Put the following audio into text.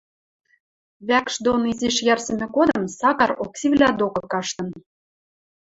Вӓкш доны изиш йӓрсӹмӹ годым Сакар Оксивлӓ докы каштын.